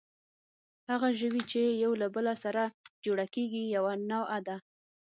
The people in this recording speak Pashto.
هغه ژوي، چې یو له بل سره جوړه کېږي، یوه نوعه ده.